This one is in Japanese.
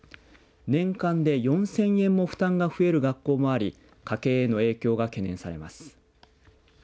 年間で４０００円も負担が増える学校もあり家計への影響が懸念されます。